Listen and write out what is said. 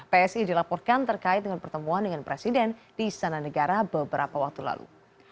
psi dilaporkan terkait dengan pertemuan dengan presiden di istana negara beberapa waktu lalu